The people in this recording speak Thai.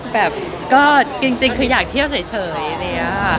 แบบก็จริงคืออยากเที่ยวเฉยอะไรอย่างนี้ค่ะ